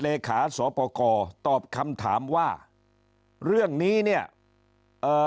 เลขาสอปกรตอบคำถามว่าเรื่องนี้เนี่ยเอ่อ